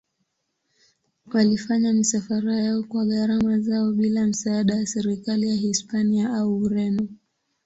Walifanya misafara yao kwa gharama zao bila msaada wa serikali ya Hispania au Ureno.